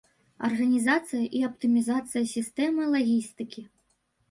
Арганізацыя і аптымізацыя сістэмы лагістыкі.